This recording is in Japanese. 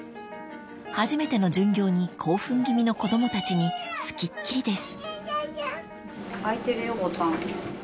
［初めての巡業に興奮気味の子供たちに付きっきりです］